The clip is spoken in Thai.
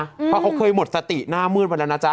เพราะเขาเคยหมดสติหน้ามืดไปแล้วนะจ๊